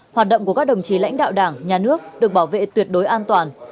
hoạt động của các đồng chí lãnh đạo đảng nhà nước được bảo vệ tuyệt đối an toàn